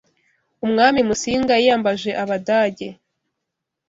Umwami Musinga yiyambaje Abadage